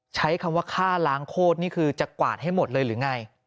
ใช้คำว่าฆ่าล้างโคตรนี่คือจะกวาดให้หมดเลยหรือไง